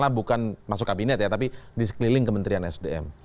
tentu saja di sekeliling kementerian sdm